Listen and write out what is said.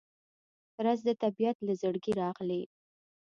رس د طبیعت له زړګي راغلی